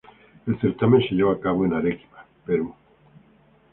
El certamen se llevó a cabo en Arequipa, Perú.